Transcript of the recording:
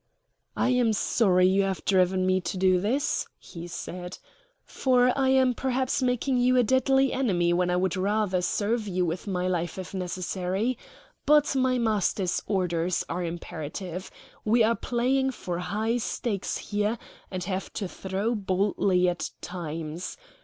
"I am sorry you have driven me to do this," he said; "for I am perhaps making you a deadly enemy when I would rather serve you with my life if necessary. But my master's orders are imperative. We are playing for high stakes there, and have to throw boldly at times.